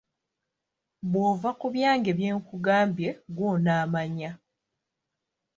Bw'ova ku byange byenkugambye ggwe onaamanya.